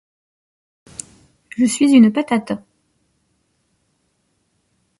It is of the genre Neues Geistliches Lied.